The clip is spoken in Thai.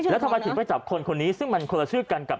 แล้วทำไมถึงไปจับคนคนนี้ซึ่งมันคนละชื่อกันกับ